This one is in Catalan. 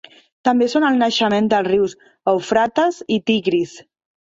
També són el naixement dels rius Eufrates i Tigris.